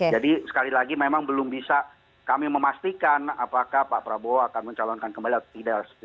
jadi sekali lagi memang belum bisa kami memastikan apakah pak prabowo akan mencalonkan kembali atau tidak